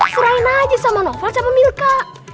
serahin aja sama nova sama milka